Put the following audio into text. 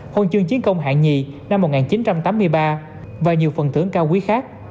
huân chương chiến công hạng nhì năm một nghìn chín trăm tám mươi ba và nhiều phần thưởng cao quý khác